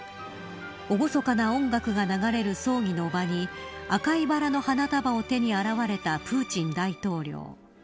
厳かな音楽が流れる葬儀の場に赤いバラの花束を手に現れたプーチン大統領。